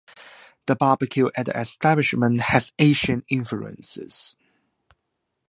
The barbecue at the establishment has Asian influences.